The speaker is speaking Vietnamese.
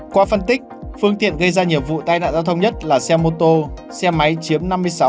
qua phân tích phương tiện gây ra nhiều vụ tai nạn giao thông nhất là xe mô tô xe máy chiếm năm mươi sáu tám mươi hai